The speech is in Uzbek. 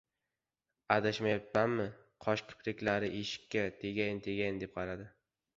Adashmayapmanmi, qosh-kipriklari eshikka tegayin-tegayin deb qaradi.